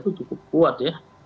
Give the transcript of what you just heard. itu cukup kuat ya